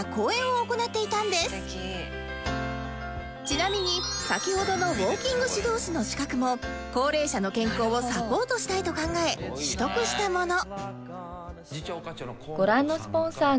ちなみに先ほどのウオーキング指導士の資格も高齢者の健康をサポートしたいと考え取得したもの